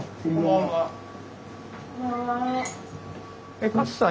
えっ克さん